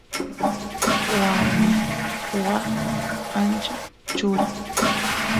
warmi waa ancha chura